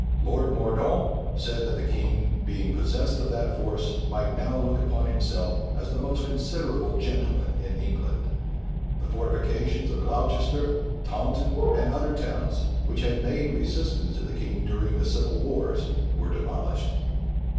Lord Mordaunt said, that the king, being possessed of that force, might now look upon himself as the most considerable gentleman in England.[*] The fortifications of Gloucester, Taunton, and other towns, which had made resistance to the king during the civil wars, were demolished.